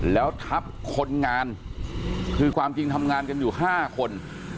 แล้วทับคนงานคือความจริงทำงานกันอยู่๕คน